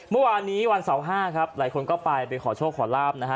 เมื่อวานนี้วันเสาร์ห้าครับหลายคนก็ไปไปขอโชคขอลาบนะฮะ